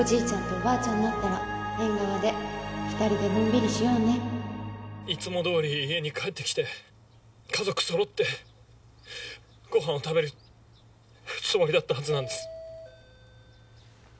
ちゃんとおばあちゃんになったら縁側で２人でのんびりしようねいつも通り家に帰って来て家族そろってごはんを食べるつもりだったはずなんです。